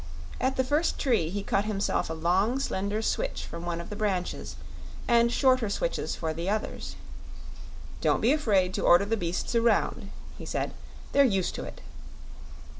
At the first tree he cut himself a long, slender switch from one of the branches, and shorter switches for the others. "Don't be afraid to order the beasts around," he said; "they're used to it."